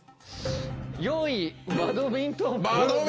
４位バドミントン部で。